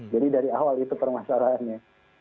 jadi dari awal itu permasalahannya